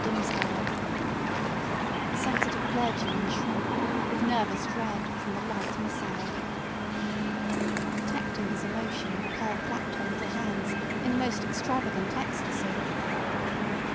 Dimmesdale. The sensitive clergyman shrank, with nervous dread, from the light missile. Detecting his emotion, Pearl clapped her little hands in the most extravagant ecstacy.